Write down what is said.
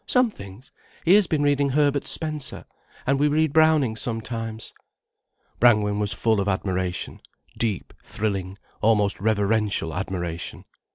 "Some things. He has been reading Herbert Spencer. And we read Browning sometimes." Brangwen was full of admiration, deep thrilling, almost reverential admiration.